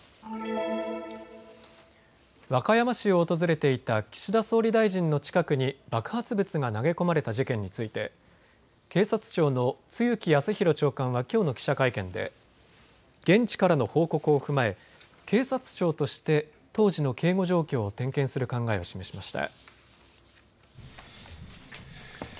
和歌山市を訪れていた岸田総理大臣の近くに爆発物が投げ込まれた事件について警察庁の露木康浩長官はきょうの記者会見で現地からの報告を踏まえ警察庁として当時の警護状況を点検する考えを示しました。